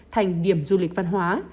thành điểm du lịch văn hóa